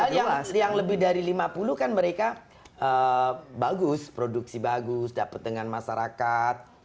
ya yang lebih dari lima puluh kan mereka bagus produksi bagus dapat dengan masyarakat